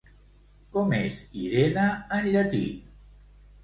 Com és Irene en llatí?